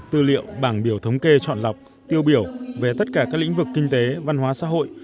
tư liệu bảng biểu thống kê chọn lọc tiêu biểu về tất cả các lĩnh vực kinh tế văn hóa xã hội